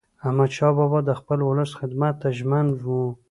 احمدشاه بابا د خپل ولس خدمت ته ژمن و.